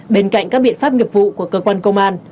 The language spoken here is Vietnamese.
bên cạnh các biện pháp nghiệp vụ của cơ quan công an